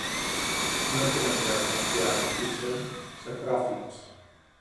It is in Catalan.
No tenen vel parcial i són sapròfits.